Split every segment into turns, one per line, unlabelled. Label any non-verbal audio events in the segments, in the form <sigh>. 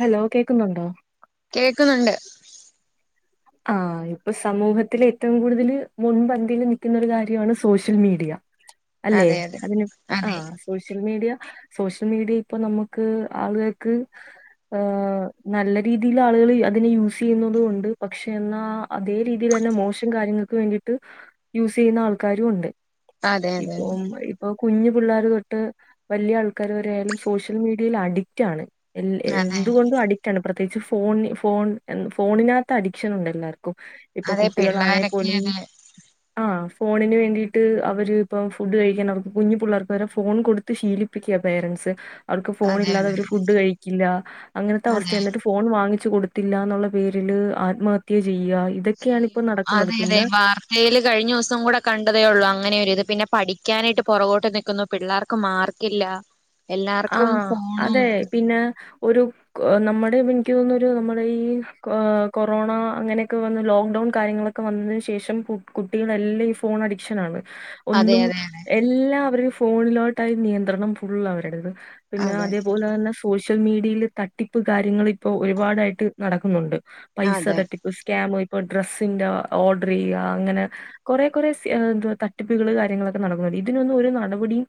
Hello കേക്കുന്നുണ്ടോ
കേക്കുന്നുണ്ട്
ആ ഇപ്പൊ സമൂഹത്തില ഏറ്റവും കൂടുതൽ മുൻപന്തിയിൽ നിൽക്കുന്നൊ ഒരു കാര്യമാണ് സോഷ്യൽ മീഡിയ അല്ലെ
അതെ അതെ
അതിന് ആ
അതെ
സോഷ്യൽ മീഡിയ സോഷ്യൽ മീഡിയ ഇപ്പൊ നമുക്ക് ആളുകൾക്ക് ഹ നല്ല രീതിൽ ആളുകൾ അതിനെ യൂസ് ചെയ്യുന്നുന്നത് കൊണ്ട് പക്ഷെ എന്നാ അതേ രീതിയിൽ തന്നെ മോശം കാര്യങ്ങൾക്ക് വേണ്ടിയിട്ട് യൂസ് ചെയ്യുന്ന ആൾക്കാരും ഉണ്ട്
അതെ അതെ
ഇപ്പൊ ഇപ്പൊ കുഞ്ഞു പിള്ളേർ തൊട്ട് വലിയ ആൾക്കാര് വരെ ആയാലും സോഷ്യൽ മീഡിയയിൽ അഡിക്റ്റ് ആണ് എ
അതെ
എന്തുകൊണ്ടും അഡിക്റ്റ്ണ് പ്രത്യേകിച്ച് ഫോൺ ഫോൺ ഫോണിനകത്ത് അഡിക്ഷൻ ഉണ്ട്. എല്ലാവരും ഇപ്പൊ
അതെ
കുട്ടികളാണെ
പിള്ളോരൊക്കെ
പോലും
അതെ
ആ ഫോണിന് വേണ്ടിട്ട് അവര് ഇപ്പം ഫുഡ് കഴിക്കാ അവർക്ക് കുഞ്ഞി പിള്ളേർക്ക് വരെ ഫോൺ കൊടുത്ത് ശീലിപ്പിക്കുക പേരൻറ്സ് അവർക്ക് ഫോൺ
അതെ
ഇല്ലാതെ
അതെ
അവര് ഫുഡ് കഴിക്കില്ല. അങ്ങനത്തെ അവസ്ഥ
അതെ
എന്നിട്ട് ഫോൺ വാങ്ങി കൊടുത്തില്ല ന്ന പേരില് ആത്മഹത്യ ചെയ്യുക ഇതൊക്കെയാണ് ഇപ്പോ
ചെയ്യുന്നു
നടക്കുന്നത്.
അതെ അതെ
പിന്നെ
വാർത്തൽ കഴിഞ്ഞ ദിവസം കൂടെ കണ്ടതേ ഉള്ളൂ അ അങ്ങനെയൊ ഇത് പിന്നെ പഠിക്കാനായിട്ട് പുറകോട്ട് നിക്കുന്നു പിള്ളേർക്ക് മാർക്കില്ല. എല്ലാർക്കും
ആഹ
ഫോണും
അതെ പിന്നെ ഒരു നമ്മുടെ എനിക്ക് തോനുന്നു ഒരു നമ്മുടെ ഈ കൊറോണ അങ്ങനെയൊക്കെ വന്ന് ലോക്ക്ഡൌൺ ഫോൺ കാര്യങ്ങളൊക്കെ വന്നതിൻ ശേഷം കുട്ടികളെല്ലാം ഈ ഫോൺ അഡിക്ഷൻ ആണ്.
അതെ
ഒന്നും
അതെ അതെ
എല്ലാം അവര ഫോണിലോട്ടായി നിയന്ത്രണം ഫുൾ അവരുടത്. പിന്നെ
അതെ
അതേപോലെ തന്നെ സോഷ്യ സോഷ്യൽ മീഡിയയിൽ തട്ടിപ്പ് കാര്യങ്ങൾ ഇപ്പോൾ ഒരുപാടായിട്ട് നടക്കുന്നുണ്ട്. പൈസ
അതെ
തട്ടിപ്പ് സ്കാമയി് ഇപ്പ ഡ്രസ്സിന്റെ ഓർഡർ ചെയ്യുക അങ്ങനെ കുറേ കുറെേ എ തട്ടിപ്പുകൾ കാര്യങ്ങളൊക്കെ നടക്ക ഇതിനൊന്ന ഒരു നടപടിയും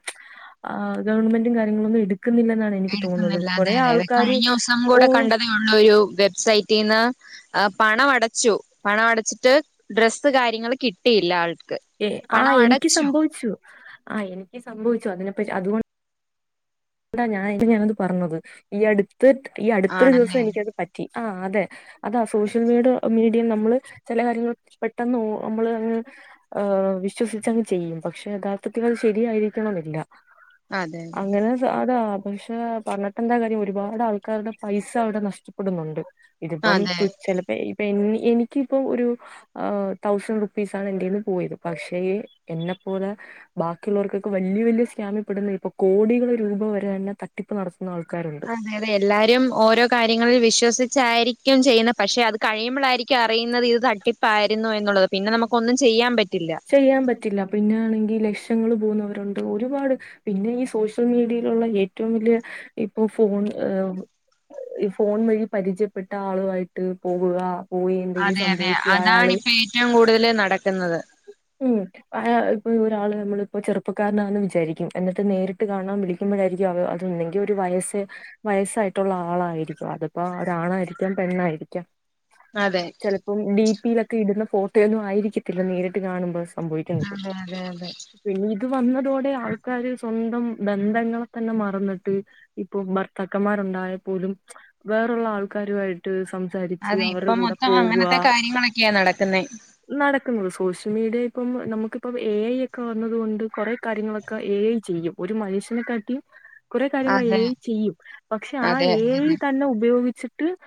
ആ ഗവൺമെന്റും കാര്യങ്ങളൊ
എടുക്കുന്നില്ല അതെ അതെ അതെ
ആൾക്കാര്
കഴിഞ്ഞ ദിവസം
ഓ
കൂടെ കണ്ടതേ ഉള്ളൂ ഒരു വെബ്സൈറ്റീന്ന് ആ പണം അടച്ചു പണം അടച്ചിട്ട് ഡ്രസ്സ് കാര്യങ്ങൾ കിട്ടിയില്ല ആൾ
ഏ ആ് എനിക്ക് സംഭവിച്ചു ആ് എനിക്ക് സംഭവിച്ചു അതിനെപ്പറ്റി അതുകൊണ്ട് എന്താ ഞൻ ഞാനത് പറഞ്ഞത് ഈ അടുത്ത് ഈ അടുത്തൊരു ദിവസം
ആണല്ലേ
എനിക്കത് പറ്റി. ആ അതെ അതാ സോഷ്യൽ മീഡ മീഡ നമ്മൾ ചില കാര്യങ്ങൾ പെട്ടെന്ന് നമ്മള ങ് വിശ്വസിച്ച് അങ്ങ് ചെയ്യും പക്ഷെ യഥാർത്ഥത്തിൽ അത് ശരിയായിരിക്കണമെന്നില്ല.
അതെ.
അങ്ങനെ സ- അതാ പക്ഷെ പഞ്ഞിട്ടെന്ത കാര്യം ഒരുപാട് ആൾക്കാരുടെ പൈസ അവിടെ നഷ്ടപ്പെടുന്നുണ്ട്.
അതെ
ഇതിപ്പം
അതെ
തു ചിലപ്പോ എനിക്കിപ്പോ ഒരു തൗസൻ് റുപ്പീസാണ് എന്റെന്ന് പോയത് പക്ഷേ എന്നെ പോ പോലെ ബാക്കിയുള്ളവർക്കൊക്കെ വലിയ വലിയ സ്കാമിൽ പെടുന്ന ഇപ്പ കോടികൾ രൂപ വരെ തന്നെ തട്ടിപ്പ് നടത്തുന്നു
അതെ അതെ എല്ലാരും ഓരോ കാര്യങ്ങളിൽ വിശ്വസിച്ച് ച്ചായിരിക്കും ചെയ്യുന്നത് പക്ഷെ അത് കഴിയുമ്പോളായിരിക്കും അറിയുന്നത് ഇത് തട്ടിപ്പായിരുന്നു എന്നുള്ളത് പിന്നെ നമുക്ക് ഒന്നും ചെയ്യാൻ പറ്റുച്ച
ചെയ്യാൻ പറ്റില്ല പിന്നൊണെങ്കിൽ ലക്ഷ ങ്ങൾ പോകുന്നവരുണ്ട് ഒരുപാട് പിന്നെ ഈ സോഷ്യൽ മീഡിയയിലുള്ള ഏറ്റവും വലിയ ഇപ്പോ ഫോൺ ഈ ഫോൺ വഴി പരിചയപ്പെട്ട ആളുമായിട്ട് പോകുക പോയി എന്തെങ്കിലും
അതെ അതെ
സംഭവിക്കുക
അതാണ്
അയാള്
ഇപ്പ ഏറ്റവും കൂടുതൽ നടക്കുന്നത്.
ഉം ഒരാൾ നമ്മളിപ്പോ ചെറുപ്പക്കാരനാണെന്ന് വിചാരിക്കും എന്നിട്ട് നേരിട്ട് കാണാൻ വിളിക്കുമ്പോയായിരിക്കും ആയിരിക്കും അത് ഒന്നെങ്കിൽ ഒരു വയസ്സ്, വയസായിട്ടുള്ള ആളായിരിക്കും അത്പ്പോ ഒരു ആണായിരിക്കും പെണ്ആയി കഴിക്കാം
അതെ
ചിലപ്പം ഡിപിയിലൊക്കെ ഇടുന്ന ഫോട്ടോയൊന്നും ആയിരിക്കത്തില്ല നേരിട്ട് കാണുമ്പോ. സംഭവിക്ക
അതെ അതെ അതെ
പിന്ന ഇത് വന്നതോടെ ആൾക്കാർ സ്വന്തം ബന്ധങ്ങളെ തന്നെ മറന്നിട്ട് ഇപ്പൊ ഭർത്താക്കന്മാ ഉണ്ടായ പോലും വേറുള്ള ആൾക്കാരുമായിട്ട് സം സംസാരിച്ച്
അതെ
അവരുടെ
ഇപ്പം
കൂടെ
മൊത്തം
പോവ്യ
അങ്ങനത്തെ കാര്യങ്ങളൊക്കെയാ നടക്കുന്നേ
നടകുന്നു സോഷ്യൽ മീഡിയ മിഡിയ ഇപ്പം നമുക്കിപ്പം എഐ ഒക്കെ വന്നത് കൊണ്ട് കുറെേ കാര്യങ്ങളൊക്കെ എഐ ചെയ്യും ഒരു മനുഷ്യന കാട്ടിം കുറേ കാര്യങ്ങൾ
അതെ
ഏഐ ചെയ്യും പക്ഷെ ആ
അതെ
ഏഐ
അതെ
തന്നെ ഉപയോഗിച്ചി <unintelligible>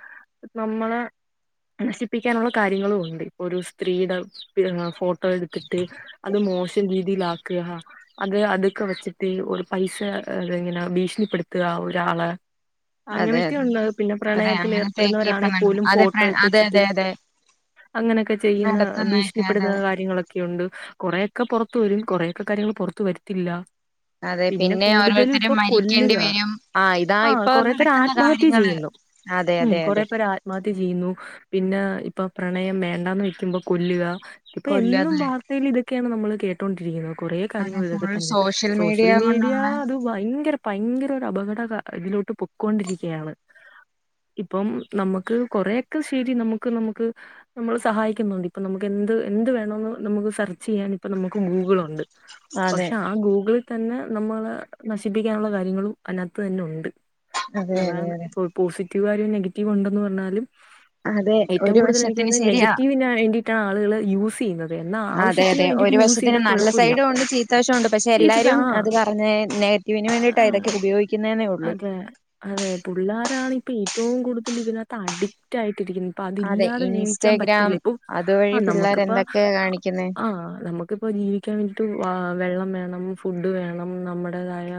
നമ്മളെ നശിപ്പിക്കാനുള്ള കാര്യങ്ങളും ഉണ്ട് ഇപ്പൊ ഒരു സ്ത്രീയുടെ ഫോട്ടോ ഫോട്ടോ എടുത്തിട്ട് അത് മോശം രീതിയിൽ ആ ആക്യ അത് അതൊക്കെ വെച്ചിട്ട് ഒരു പൈസഏ ഇങ്ങനെ ഭീഷണിപ്പെടുത്തുക ഒരാളെ
അതെ അതെ
അങ്ങനൊക്കെയ ഉള്ളത് പിന്നെ
അതെ
പ്രണയത്തിൽ
അങ്ങനത്തെയൊക്കെ ഇപ്പ
ഏർപ്പെടുന്നവരാണെ
നട
പോലും
അതെ
ഫോട്ടോ ഒക്കെ
അതെ
വെച്ചിട്ട്
അതെ അതെ
അങ്ങനെയൊക്കെ ചെയ്യുന്ന
നടത്തുന്നേക്കെ
ഭീഷണിപ്പെടുന്ന
അതെ
കാര്യങ്ങളൊക്കെ കൊയ്യുണ്ട് കൊറേ ഒക്കെ പുറത് വരും കുറെയൊക്കെ കാര്യങ്ങൾ പുറത്ത് വരത്തില്ല.
അതെ
പിന്നെ കൂടുതലും
ഓരോരുത്തരും
ഇപ്പൊ
മരിക്കേണ്ടി
കൊല്ലുക
വരും ഇതാ
ആ
ഇപ്പൊ
കൊറേ പേർ
നടക്കുന്ന
ആത്മഹത്യ
കാര്യങ്ങള്
ചെയ്യുന്നു.
അതെ
ഉം
അതെ
കൊറെ
അതെ
പേര് ആത്മഹത്യ ചെയ്യുന്നു പിന്നെ ഇപ്പൊ പ്രണയം വേണ്ടാന്ന് വൽക്കുമ്പോ കൊല്ലുക ഇപ്പൊ എന്നും
കൊല്ലത്
വായിൽ ഇതൊകേ ഒകെയാണ് നമ്മൾ കേട്ടൊണ്ടിരിക്കുന്നത്. കുറേ
അതെ
കാര്യങ്ങൾ ഇതൊക്കെ
ഫുൾ
തന്നെ സോഷ്യൽ മീഡിയ
കൊണ്ടുള്ള
അത് ഭയങ്കര ഭയങ്കര ഒരു അപകട ക ഇതിലോട്ട് പൊയ്ക്കൊണ്ടിരിക്കുകയാണ്. ഇപ്പം നമുക്ക് കൊറെക്കെ ശരി നമുക്ക് നമുക്ക് നമ്മൾ സഹായിക്കുന്നുണ്ട് ഇപ്പൊ നമുക്ക് എന്ത് എന്ത് വേണന്ന് നമുക്ക് സെർച്ച് ചെയ്യാൻ ഇപ്പ നമുക്ക് ഗൂഗിൾ ഉണ്ട്
അതെ
പക്ഷെ ആ ഗൂഗിൾ തന്നെ നമ്മളെ നശിപ്പിക്കാനുള്ള കാര്യങ്ങളും അതിനകത്ത് തന്നെ ഉണ്ട്
അതെ അതെ
അതാണ്
അതെ
ഇപ്പോ പോസിറ്റീവ് ആര് നെഗറ്റീവ് ഉണ്ടന്ന് പറഞ്ഞാലും
അതെ
ഏറ്റവും
ഒരു
കൂടുതൽ എനിക്ക്
വശത്തിന് ശരിയാ
തോന്നുന്നനെഗറ്റീവി വേണ്ടിട്ടാണ് ആളുകള് യൂസ് ചെയ്യുന്നത്. എന്നാ
അതെ
ആവശ്യത്തിന്
അതെ
വേണ്ടിട്ട്
ഒരു
യൂസ്
വശത്തിന്
ചെയ്താ
നല്ല
കൊഴപ്പില്ല.
സൈഡും ഉണ്ട് ചീത്തവശം ഉണ്ട് പക്ഷെ
<unintelligible>
എല്ലാരും
ആ
അത് പറഞ്ഞ നെഗറ്റീവിന് വേണ്ടിയിട്ട ഇതൊക്കെ ഉപയോഗിക്കുന്നത്
അതെ അതെ പിള്ളോരാണ് ഇപ്പ ഏറ്റവും കൂടുതൽ ഇതിനകത്ത് അഡിക്റ്റ് ആയിട്ട് രിക്കുന്നത്
അതെ
ഇപ്പതില്ലാതെ ജീവിക്കാൻ
ഇൻസ്റ്റഗ്രാം
പറ്റില്ല ഇപ്പ ആ
അതുവഴി പിള്ളേർ
നമുക്കിപ്പ
എന്തൊക്കെയാ കാണിക്കുന്നേ
ആ നമുക്കി നമക്കിപ്പോ ജീവിക്കാൻ വേണ്ടിട്ട് വ വെള്ളം വേണം ഫുഡ് വേണം നമ്മുടേതായ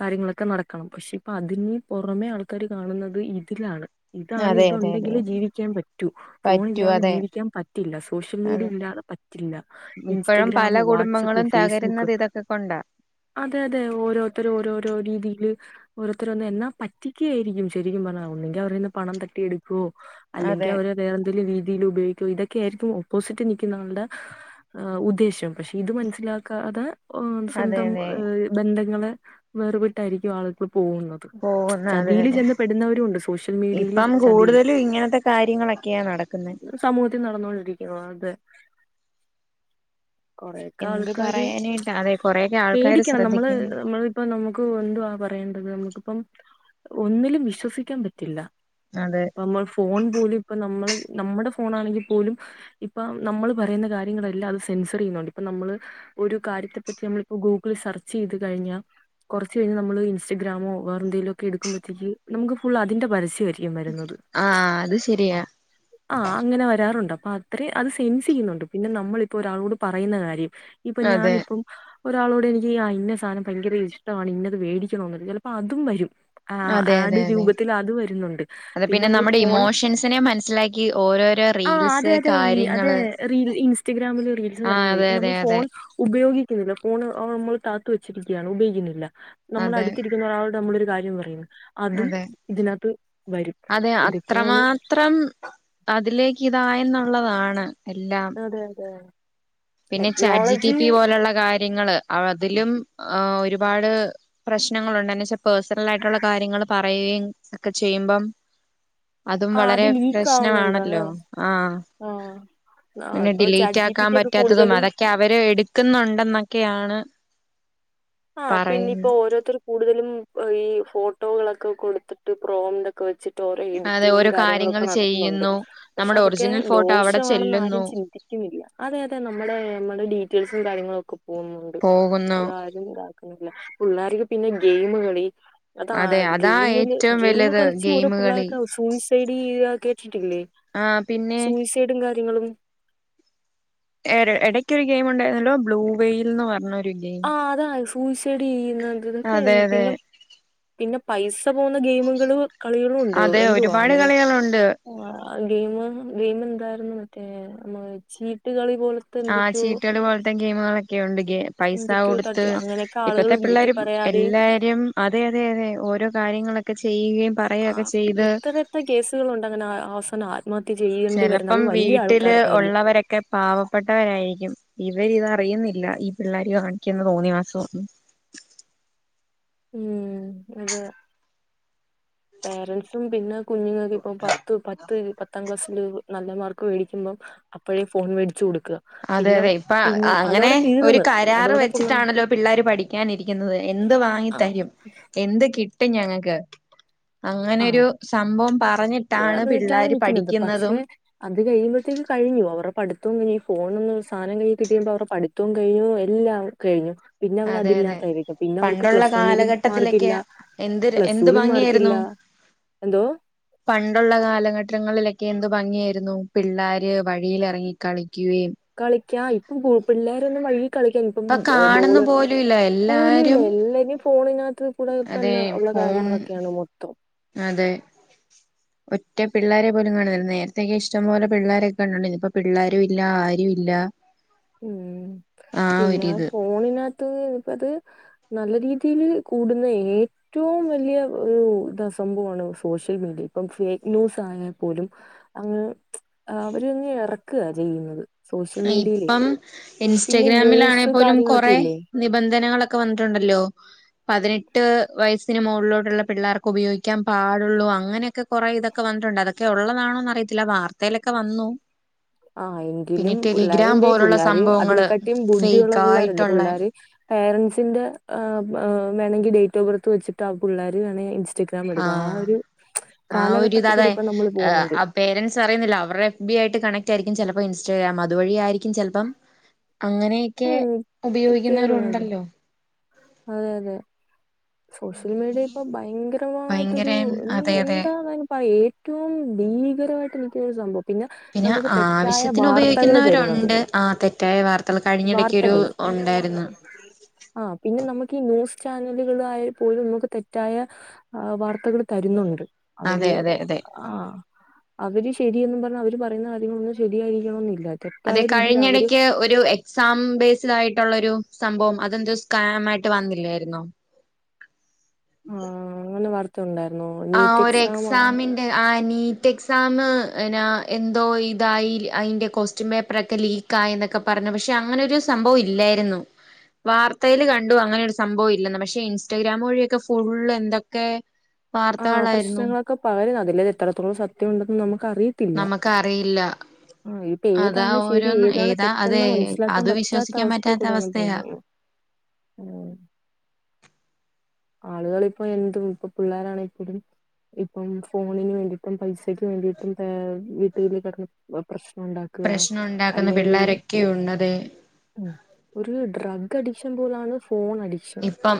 കാര്യങ്ങളൊക്കെ നടക്ക കണം പക്ഷെ ഇപ്പ അതിന് പുറമെ ആൾക്കാര് കാണുന്നത് ഇതിലാണ്. ഇതാണ്
അതെ അതെ അതെ
ഇതുണ്ടെങ്കിൽ
അതെ
ജീവിക്കാൻ പറ്റൂ. ഫോൺ
പറ്റൂ
ഇല്ലാതെ
അതെ
ജീവിക്കാൻ പറ്റില്ല സോഷ്യൽ മീഡിയ
അതെ
ഇല്ലാതെ പറ്റില്ല.
ഇപ്പോഴും പല
ഇൻസ്റ്റഗ്രാമ്, വാട്സപ്പ്,
കുടുംബങ്ങളും
ഫേസ്ബുക്ക്
തകരുന്നത് ഇതൊക്കെ കൊണ്ടാ
അതെ അതെ ഓരോരുത്തര ഓരോരോ രീതിയില് ഓരോത്തരോന്ന് എന്നാ പറ്റിക്ക എന്ന എന്ന പറ്റിക്കായിരിക്കും ശരിക്കും പറഞ്ഞാ ഒന്നെങ്കിൽ അവരെന്ന് പണം തട്ടി എടുക്കുവോ അല്ലെങ്കിൽ
അതെ
അവരെ വേറെ എന്തങ്കലും രീതി യിൽ ഉപയോഗിക്കോ ഇതൊക്കെ ആയിരിക്കും ഓപ്പോസിറ്റ് നിൽക്കുന്നാളുടെ ഹ ഉദ്ദേശം. പക്ഷെ ഇത് മനസ്സിലാക്കാതെ
അതെ
സ്വന്തം
അതെ
എ ബന്ധങ്ങളെ വെറുവിട്ടായിരിക്കും ആൾ പോകുന്നത്. ച്ച്ച
പോകുന്ന അതെ
ചതിയില്
അതെ
ചെന്ന് പെടുന്നവരും ഉണ്ട്. സോഷ്യൽ മീഡിയയില്
ഇപ്പം
ചതിയില്
കൂടുതലും ഇങ്ങനത്തെ കാര്യങ്ങളൊക്കെയാ നടക്കുന്നെ
സമൂഹത്തിൽ നടന്നുകൊണ്ടിരിക്കുന്നത്. അതെ കൊറെയൊക്കെ
എന്ത്
ആൾക്കാാര് ച്ച്ച
പറയാനായിട്ടാ അതെ കൊറെയൊക്കെ ആൾക്കാര്
പേടിക്കണം നമ്മള്
ശ്രദ്ധിക്കുന്നു
നമ്മളിപ്പോ നമുക്ക് എന്ത്വാ പറയേണ്ടത് നമുക്കിപ്പം ഒന്നിലും വിശ്വസിക്കാൻ പറ്റില്ല.
അതെ
ഇപ്പ നമ്മൾ ഫോൺ പോലി ഇപ്പ നമ്മള് നമ്മുടെ ഫോണാണെങ്കിൽ പോലും ഇപ്പ നമ്മള് പറയുന്ന കാര്യങ്ങളെല്ലാം അത് സെൻസർ ചെയ്യുന്നുണ്ട്. ഇപ്പ നമ്മള് ഒരു കാര്യത്തെപ്പറ്റി നമ്മളിപ്പോ ഗൂഗിള സെർച്ച് ചെയ്ത് കഴിഞ്ഞാ കുറച്ച് കഴിഞ്ഞാൽ നമ്മള് ഇൻസ്ഗ്രമോ വേറെ എന്തേങ്കിലൊക്കെ എടുക്കുമ്പോഴത്തേക്ക് നമുക്ക് ഫുൾ അതിന്റെ. ക്കും വരുന്നത്.
ആഹ് അത് ശരിയാ
ആ അങ്ങനെ വരാറുണ്ട് അപ്പൊ അത്ര അത് സെൻസെയുന്നുണ്ട്. പിന്നെ നമ്മളിപ്പൊ ഒരാളോട് പറയുന്ന കാര്യം ഇപ്പൊ
അതെ
ഞാനിപ്പം ഒരാളോട് എനിക്ക് ഇന്ന സാധനം ഒരാളോട് എനിക്ക് ആ ഇന്ന സാധനം ഭയങ്കര ഇഷ്ടമാണ് ഇന്നത് വേടിക്കണ ന്നു ചിലപ്പോ അതുംവരും. ആ
അതെ
ആഡ്
അതെ അതെ
രൂപത്തിൽ അത് വരുന്നുണ്ട്.
അത്
പിന്നെ നമ്മള്
നമ്മുടെ
ഫോൺ
ഇമോഷൻസിനെ മനസ്സിലാക്കി ഓരോരോ
ആ
റീൽസ്
അതെ അതെ അതെ
കാര്യങ്ങള്
റീൽ ഇൻസ്റ്റഗ്രാമില് റീൽസ്
ആഹ്
കാര്യങ്ങള
അതെ
ഇപ്പ നമ്മൾ
അതെ അതെ
ഫോൺ ഉപയോഗ ഗിക്കുന്നില്ല. ഫോൺ അ നമ്മൾ കാത്തു വെച്ചിരിക്കുകയാണ് താഴ്ത്ത് താഴ്ത്ത് വച്ചിരിക്കാണ് ഉപയോഗിക്കുന്നില്ല. നമ്മള
അതെ
അടുത്തിരിക്കുന്ന ഒരാളുടെ നമ്മളൊരു കാര്യം പറയുന്നു. അതും
അതെ
ഇതിനകത്ത് വരും.
അതെ
ഇതൊക്കെയാണ്
അത്രമാത്രം അതിലേക്ക് ഇതായ എന്നുള്ളതാണ്.
അതെ.. അതെ..
പിന്നെ chat G P
technology
T പോലുള്ള കാര്യങ്ങള് അതിലും ഒരുപാട് പ്രശ്നങ്ങളുണ്ട വെച്ചാൽ പേഴ്സണൽ ആയിട്ടുള്ള കാര്യങ്ങൾ പറയ ഒക്കെ ചെയ്യുമ്പം അതും
ആ
വളരെ
അത് ലീക്ക് ആവുന്നുണ്ട് അതെ
പ്രശ്നമാണല്ലോ ആഹ്
ആഹ് ആ
പിന്നെ
ഇപ്പൊ ചാറ്റ്
ഡിലീറ്റ്
ജി പി
ആക്കാൻ
ടി ഒക്കെ
പറ്റാത്തതും
കൂടുതലും
അതൊക്കെ അവര് എടുക്കുന്നുണ്ടെന്നൊക്കെയാണ്
ആ പിന്നെ ഇപ്പോ
പറയുന്നത്
ഓരോരുത്തർ കൂടുതലും ഈ ഫോട്ടോകളൊക്കെ കൊടുത്തിട്ട് പ്രോമ്റ്റൊക്കെ വെച്ചിട്ട് റ്റോരൊ
അതെ
എഡിറ്റിങ്ങും
ഓരോ കാര്യങ്ങൾ
കാര്യങ്ങളൊക്കെ നടത്തുന്നുണ്ട്.
ചെയ്യുന്നു
പക്ഷെ
നമ്മുടെ
അതൊക്കെ
ഒറിജിനൽ ഫോട്ടോ അവിടെ
ദോഷമാണെന്ന്
ചെല്ലുന്നു
ആരും ചിന്തിക്ക ന്നില്ല. അതെ അതെ നമ്മ നമ്മുടെ ഡീറ്റെൽസും കാര്യങ്ങളും ഒക്കെ പോകുന്നുണ്ട്
പോകുന്നു
അതാർക്ക പിള്ളേർക്ക് പിന്നെ ഗെയിമ കളി അതാ
അതെ അതാ
ഗെയിമില്
ഏറ്റവും
ഗെയിം
വലുത്
കളിച്ച് ഓരോ
ഗെയിമ് കളി
പിള്ളേർക്ക സൂയിസൈഡ് ചെയ കേട്ടിട്ടില്ലേ
ആഹ് പിന്നെ
സൂയിസൈഡും കാര്യങ്ങളും
എ ഇടയ്ക്കൊ ഒരു ഗെയിം ഉണ്ടായിരുന്നല്ലോ ബ്ലൂവെയിൽ എന്ന് പറഞ്ഞ
ആഹ അതാ സൂയിസൈഡ് ചെയ്യുന്ന ഇതൊക്കെ
അതെ അതെ
പിന്നെ പിന്നെ പൈസ പോകുന്ന ഗെയിമുകള് കളികളും ഉണ്ട്
അതെ ഒരുപാട്
എന്തുവാന്ന്
കളികളുണ്ട്
ഗെയിമ ഗെയിമ എന്താ- മറ്റേ നമ്മ ചീട്ടുകളളി പോലത്തെ എന്തൊക്കെയോ
ണ്ട് പൈസ
എന്തൊക്കെയോ
കൊടുത്ത്
തട്ടിയോ അങ്ങനെയൊക്കെ ആളുകൾ
ഇപ്പോത്തെ പിള്ളേ
വീട്ടിൽ പറയാതെയും
എല്ലാരും അതെതെതെ ഓരോ കാര്യങ്ങളൊക്കെ ചെയ്യുകയും പറയൊക്കെ
ആഹ്
ചെയ്ത്
എത്ര എത്ര കേസുകളുണ്ട് അങ്ങനെ ആ- അവസാനം ആത്മഹത്യ ചെയ്യേണ്ടി വരുന്നത്
ചിലപ്പം
അത് വലിയ
വീട്ടില്
ആൾക്കാർക്കായാലും
ഉള്ളവരൊക്കെ പാവപ്പെട്ടവരായിരിക്കും ഇവരി ഇത അറിയുന്നില്ല ഇല്ല ഈ പിള്ളേർ കാണിക്കന്ന് തോന്നിവാസന്നും
ഉം അത് പേരന്റ്സും പിന്നെ കുഞ്ഞുങ്ങക്ക് ഇപ്പൊ പത്ത് പത്ത് പത്താം ക്ലാസ്സില് ല് നല്ല മാർക്ക് മേടിക്കുമ്പം അപ്പോഴേ ഫോൺ മേടിച്ചു കൊടുക്കും
അതെ അതെ ഇപ്പ അങ്ങനെ ഒരു
തീർന്ന്
കരാർ
അതോടെ പുള്ള
വെച്ചിട്ടാണല്ലോ പിള്ളേർ പഠിക്കാനിരിക്കുന്നത് എന്ത് വാങ്ങി തരും എന്ത് കിട്ടും ഞങ്ങക്ക്
ആഹ്
അങ്ങനെരു സംഭവം പറഞ്ഞിട്ടാണ്
അത് റ്റാണ്
പിള്ളോര്
നിക്കുന്നത്
പഠിക്കുന്നതും
പക്ഷെ അത് കഴിയുമ്പോഴത്തേക്ക് കഴിഞ്ഞു അവരുടെ പഠത്തവും കഴിഞ്ഞു ഫോൺ ഒന്ന് സാധനം കഴി കിിയുമ്പോ അവരുടെ പിത്തവും കഴിഞ്ഞും എല്ലാം കഴിഞ്ഞു പിന്നെ അവർ
അതെ അതെ
അതില്ലാത്തായിരിക്കും പിന്നെ അവർക്ക്
പണ്ടുള്ള
പ്ലസ് വണ്ണിലും
കാലഘട്ടത്തിലൊക്കെ
മാർക്കല്ല
എന്ത്
പ്ലസ്
എന്ത്
ടുിലും മാർക്ക്
ഭംഗിയായിരുന്നു
ഇല്ല
പണ്ടുള്ള കാലഘട്ടങ്ങളിലൊക്കെ ക്ക എന്ത് ഭംഗിയായിരുന്നു പിള്ളോര് വഴിൽ ഇറങ്ങിക്കളി
കളിക്ക ഇപ്പം പിള്ളോരൊന്നും വഴി കളിക്ക ഇപ്പ
ഇപ്പൊ കാണുന്ന
ബോള്
പോലും ഇല്ല
പോലല്ല
എല്ലാരും
എല്ലും ഫോണ കൂടെ
അതെ
തന്നെ ഉള്ള
ഫോൺ
കാര്യങ്ങളൊക്കെയാണ് മൊത്തം
റ്റ പിള്ളോരരെ പോലും കാണുന്നില്ല നേരത്തെെയക്കെ ഇഷ്ടംപ പോലെ പിള്ളാരെയൊക്കെ കാണൂ ഇപ്പപ്പോ പിള്ളാരും ഇല്ല ആരും ഇല്ല
ഉം
ആ
പിന്നെ
ഒരിത്
ഫോണിനകത്ത് ഇപ്പ് ത് നല്ല രീതിയില് കൂടുന്ന ഏറ്റവും വലിയ ഒരു ഇത് സംഭവമാണ് സോഷ്യൽ മീഡിയ ഇപ്പം ഫേക്ക് ന്യൂസ് ആയാൽ പോലും അങ്ങ് അവരങ് ഇറക്ക ചെയ്യുന്നത് സോഷ്യൽ മീഡിയയിലേ
ഇപ്പം ഇൻസ്റ്റഗ്രാമിലാണെ പോലും കൊറ
കാര്യങ്ങളൊക്കെ ഇല്ലേ
നിബന്ധനകളൊക്കെ വന്നിട്ടുണ്ടല്ലോ പതിനെട്ട് വയസ്സിന് മുകളിലോട്ടുള്ള പിള്ളേർക്ക് ഉപയോഗിക്കാൻ പാടുള്ളൂ അങ്ങനെയൊക്കെ കുറെേ ഇതൊക്കെ വ- ന്നി ട്ടുണ്ട് അതൊക്കെ ഉള്ളതാണോന്ന് അറിയത്തില്ല വാർത്തയിലൊക്കെ വന്നു
ആ എങ്കിലും
പിന്നെ
പിള്ളര്
ടെലിഗ്രാം
എന്തെ
പോലുള്ള
പിള്ളര്
സംഭവങ്ങള്
അതിനെക്കാട്ടിയും ബുദ്ധിയുള്ള
ഫേക്ക്
പിള്ളേരല്ലേ
ആയിട്ടുള്ള
പിള്ളര് പേരൻസ് ന്ത വെണെങ്കി ഡേറ്റ് ഓഫ് ബർത്ത് വെച്ചിട്ട് ആ പിള്ളര് വേണെ ഇന്റസ്റ്റാഗ്രാം <unintelligible> എടുക്കും ആ ഒരു
ആഹ ഒരു ഇത
കാലഘട്ടത്തിൽ
അതെ
കൂടി ഇപ്പ നമ്മള് പോകുന്നുണ്ട്
ആ പേരന്റ്സ് അറിയുന്നില്ല അവരുടെ എഫ് ബി ആയിട്ട് കണക്ട് ആയിരിക്ക് ചെല്പ്ം ഇൻസ്റ്റഗ്രാം അത്വഴി ആായിരിക്കും ചിലപ്പം അങ്ങനെയൊക്കെ
ഉം കേറുന്നത്
ഉപയോഗിക്കുന്നവരുണ്ടല്ലോ
അതെ അതെ സോഷ്യൽ മീഡിയ ഇപ്പൊ
ഭയങ്കര
ഭയങ്കരമായിട്ടൊരു
അതെ
എ
അതെ
എന്താ പറ ഏറ്റവും ഭീകര്- ായിട്ട <unintelligible> എനിക്ക് സംഭവം
പിന്നെ
നമുക്ക് തെറ്റായ
ആവശ്യത്തിന്
വാർത്തകൾ തരുന്നത്
ഉപയോഗിക്കുന്നവരുണ്ട് ആ തെറ്റായ വാർത്തകൾ കഴിഞ്ഞിടക്കൊ ഒരു-
വാർത്തകള്
ഉണ്ടായിരുന്ന്
ആ പിന്നെ നമുക്ക് ഈ ന്യൂസ് ചാനലുകൾ ആയൽ പോലും നമുക്ക് തെറ്റായ വാർത്തകൾ തരുന്നുണ്ട് അവര്
അതെ അതെ അതെ
ആ അവര് ശ്- ശരി എന്നും പറഞ്ഞ അവര് കാര്യങ്ങളൊന്നും ശരിയായിരിക്കണംന്നില്ല
അതെ കഴിഞ്ഞിടക്ക് ഒരു എക്സാം ബേസ്ഡ് ആയിട്ടുള്ളൊ ഒരു സംഭവം അതെന്ത സ്കാം മായിട്ട് വന്നില്ലായിുന്നോ
ആഹ അങ്ങനെ വാർത്ത ഉണ്ടായി
ആ ഒരു എക്സാമിന്റെ ആനി - റ്റ് എക്സാമ് എന്തോ ഇതായി അതിന്റെ കൊസ്റ്റ്യൻ പേപ്പറൊക്കെ ലീക്കായി എന്നൊക്കെ പറഞ്ഞ് പക്ഷെ അങ്ങനെരു സംഭവം ഇല്ലേരുന്നു. വാർത്തയിൽ കണ്ടു അങ്ങനൊരു സംഭവം ഇല്ലെന്ന് പക്ഷെ ഇൻസ്റ്റഗ്രാം വഴിയൊക്കെ ഫോണിൽ എന്തൊക്കെ
ആ
വാർത്തകളായിരുന്നു
പ്രശ്നങ്ങളൊക്കെ പര് യന്ന് അതില്ലത് എത്രത്തോളം സത്യം ഉണ്ടെന്ന് നമുക്ക് അറിയത്തില്ല
നമക്ക് അറിയില്ല-
ആ ഇപ്പൊ ഏതാണ് ശരി ഏതാണ്
അതെ
തെറ്റെന്നാ മനസ്സിലാക്കാൻ
അത്
പറ്റാത്ത
വിശ്വസിക്കാൻ
അവസ്ഥയിൽ
പറ്റാത്ത
കൂടിയാണ് പോണത്
അവസ്ഥയാ
ഹൂം <unintelligible> ആളുകളിപ്പോ എന്തും ഇപ്പ പിള്ളാ രാണിപ്പഴും ഇപ്പം ഫോണിന് വേണ്ടിട്ടും പൈസക്ക് വേണ്ടിയിട്ടും പേ -വീട്ടിൽ കിടന്ന് പ്രശ് ഉണ്ടാക്കുക
പ്രശ്നം ഉണ്ടാക്കുന്ന
അല്ലെങ്കിൽ
പിള്ളോരൊക്കെയുണ്ടതെ
ഒരു ഡ്രാ ഗ് അഡിക്ഷൻ പോലാണ് ഫോൺ അഡിക്ഷൻ
ഇപ്പം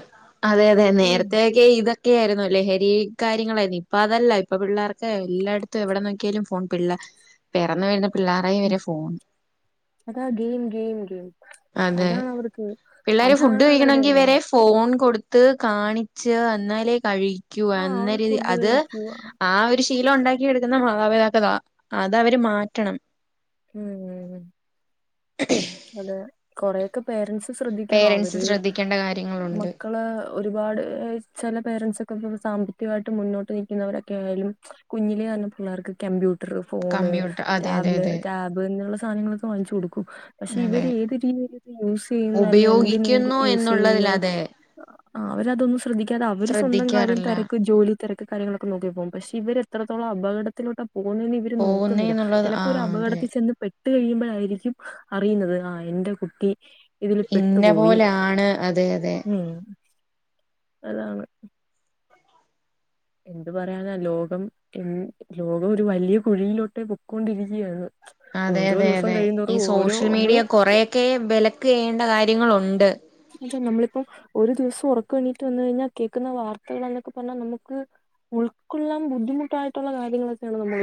അതെ അതെ
ഉം
നേരത്തക്കെ ഇത് ഒക്കെയായിരുന്നുല്ലേ ഹരി കാര്യങ്ങളായിരുന്നു ഇപ്പൊ അതല്ല ഇപ്പൊ പിള്ളേർക്ക് എല്ലായിടത്തും എവിടെ നോക്കിയാലും ഫോൺ പിള്ള പിറന്നു വരുന്ന പിള്ളേറെ
ഉം.
കയ്യിവരെ ഫോണ്
അതാ ഗെയിം ഗെയിം ഗെയിം
അതെ
അതാണ് അവർക്ക് അതാണ് അവരുടെ എല്ലാം
അതെ ഫോൺ കൊടുത്ത് കാണിച്ച് അന്നാലേ കഴി ക്കു
ആ
എന്ന
അവര്
രീതി
ഫുഡ്
അത്
കഴിക്കുക
ആ ഒരുശ് ശീലം ഉണ്ടാക്കി എടുക്കുന്ന മാതാപിതാക്കത അതവര് മാറ്റണം
ഉം അതെ കൊറയൊക്കെ പേരന്റ്സ് ശ്രദ്ധിക്കണം അവര്
പേരൻറ്സ് ശ്രദ്ധിക്കേണ്ട കാര്യങ്ങളുണ്ട്
മക്കളേ ഒരുപാട് ചില പേരന്റ്സ്ക്കെ ഇ സാമ്പത്തികമായിട്ട് മുന്നോട്ട് നിൽക്കുന്നവരൊക്കെ ആയാലും കുഞ്ഞിലേ തന്നെ പിള്ളേർക്ക് കമ്പ്യൂ എറ് ഫോണ്
കമ്പ്യൂട്ടർ അതെ അതെ
ടാബ് ലെ
അതെ
റ്റാബ് എന്നുള്ള സാധനങ്ങളൊക്കെ വാങ്ങിച്ചു കൊടുക്കും പക്ഷെ
അതെ
ഇവര് ഏത് രീതിയിൽ യൂസ് ചെയ്യുന്ന് അല്ല എന്തിന്
ഉപയോഗിക്കുന്നു
യൂസ്
എന്നുള്ളതിൽ
യ്യുന്നു
അതെ
അവരതൊന്നും ശ്രദ്ധിക്കാതെ അവര് സ്വന്തം കാര്യം
ശ്രദ്ധിക്കാറില്ല
തിരക്ക് ജോലി തിരക്ക് കാര്യങ്ങളൊക്കെ നോക്കിപ്പോകും പക്ഷെ ഇവരെത്രത്തോളം അപകടത്തിലോട്ടാ പോ പോന്നുന്ന ഇവര്
പോകുന്നേ
നോക്കുന്നില്ല
എന്നുള്ളത് ആ
ചിലപ്പോ ഒരു അപകടത്തി
അതെ
പെട്ട് കഴിയുമ്പോഴായിരിക്കും അറിയുന്നത് ആ എന്റെ കുട്ടി ഇതിൽ
ഇന്ന
പെട്ടുപോയി
പോലാണ് അതെ അതെ
ഉം അതാണ് എന്ത് പറയാനാ ലോകം എ ലോകം ഒരു വലിയ കുഴിയിലോട്ടേ പൊയ്ക്കൊണ്ടിരിക്കുകയാണ്
അതെയതെ യതെ അതെ ഈ സോഷ്യൽ മീഡിയ
നമ്മള്
കൊറെയൊക്കെ വിലക്ക് ചെയ്യേണ്ട കാര്യങ്ങളുണ്ട്
പ നമ്മളിപ്പം ഒരു ദിവസം ഉറക്ക വേണ്ടിട്ട് വന്ന കഴിഞ്ഞാൽ കേൾക്കുന്ന വാർത്തകൾ എന്നൊക്കെ പറഞ്ഞാൽ നമുക്ക് ഉൾക്കൊള്ളൻ ബുദ്ധിമുട്ടായിട്ടുള്ള കാര്യങ്ങളൊക്കെയാണ് നമ്മ